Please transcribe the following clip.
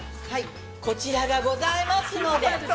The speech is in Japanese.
こちらがございますので。